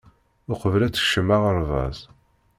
Uqbel ad tekcem aɣerbaz.